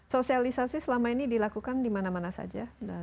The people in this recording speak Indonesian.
sosialisasi selama ini dilakukan di mana mana saja